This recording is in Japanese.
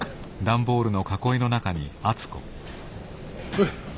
おい。